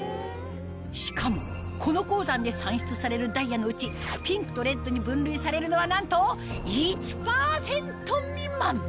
しかもこの鉱山で産出されるダイヤのうちピンクとレッドに分類されるのはなんと１％未満！